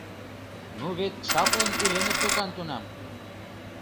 Ну вет чаплын иленыт докан тунам!